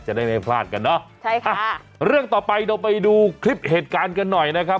จะได้ไม่พลาดกันเนอะใช่ค่ะเรื่องต่อไปเราไปดูคลิปเหตุการณ์กันหน่อยนะครับ